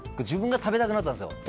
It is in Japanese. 自分が食べたくなったんですよ。